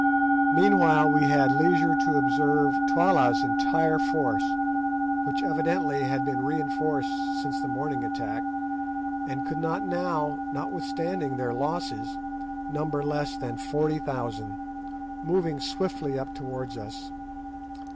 Meanwhile we had leisure to observe Twala's entire force, which evidently had been reinforced since the morning attack, and could not now, notwithstanding their losses, number less than forty thousand, moving swiftly up towards us.